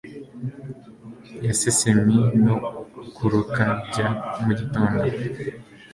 ya sesemi no kuruka bya mugitondo